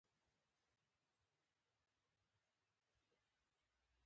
میرغلام حسین خان ولیکل.